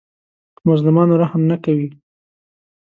په مظلومانو رحم نه کوي